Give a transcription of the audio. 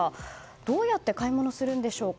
どうやって買い物するんでしょうか。